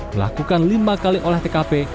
melakukan lima kali oleh tkp